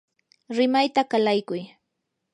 rimayta qalaykuy.